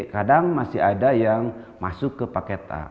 kadang masih ada yang masuk ke paket a